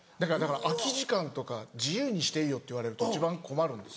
空き時間とか「自由にしていいよ」って言われると一番困るんです。